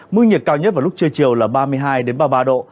mức nhiệt cao nhất vào lúc trưa chiều là ba mươi hai ba mươi ba độ